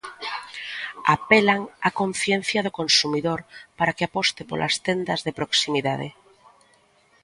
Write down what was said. Apelan á conciencia do consumidor para que aposte polas tendas de proximidade.